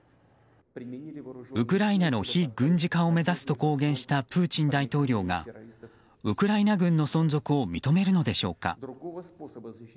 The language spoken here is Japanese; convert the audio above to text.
ウクライナの非軍事化を目指すと公言したプーチン大統領がウクライナ軍の存続を認めるのでしょうか。